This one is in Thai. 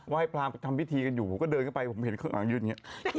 ไหว้พลามก็ทำพิธีกันอยู่ก็เดินเข้าไปผมเห็นเครื่องหลังยืนอย่างเงี้ย